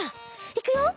いくよ。